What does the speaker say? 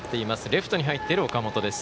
レフトに入っている、岡元。